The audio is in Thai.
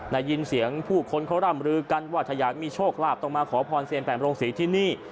ได้ยินเสียงผู้คนเขาร่ำลือกันว่าถ้าอยากมีโชคลาภต้องมาขอพรเซียนแปนโรงศรีที่นี่